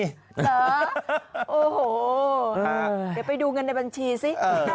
เหรอโอ้โหเดี๋ยวไปดูเงินในบัญชีสิ